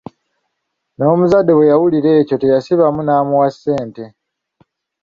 N'omuzadde bwe yawulira ekyo teyasibamu n'amuwa ssente.